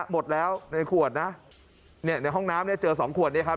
หมดแล้วในขวดนะเนี่ยในห้องน้ำเนี่ยเจอสองขวดเนี่ยครับ